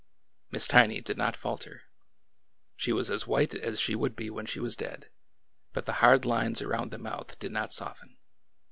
Miss Tiny did not falter. She was as white as she would be when she was dead, but the hard lines around the mouth did not soften.